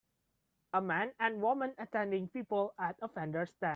A man and woman attending people at a vendor stand.